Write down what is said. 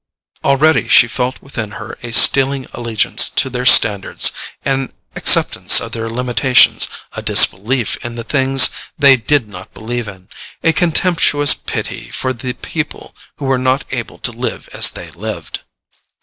Already she felt within her a stealing allegiance to their standards, an acceptance of their limitations, a disbelief in the things they did not believe in, a contemptuous pity for the people who were not able to live as they lived.